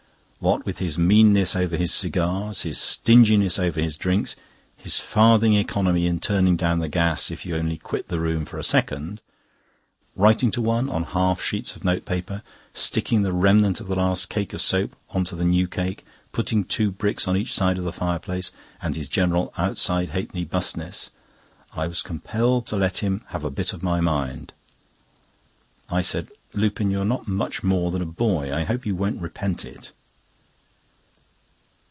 What with his meanness over his cigars, his stinginess over his drinks, his farthing economy in turning down the gas if you only quit the room for a second, writing to one on half sheets of note paper, sticking the remnant of the last cake of soap on to the new cake, putting two bricks on each side of the fireplace, and his general 'outside halfpenny 'bus ness,' I was compelled to let him have a bit of my mind." I said: "Lupin, you are not much more than a boy; I hope you won't repent it."